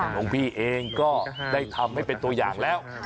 หลวงพี่เองก็ได้ทำให้เป็นตัวอย่างแล้ว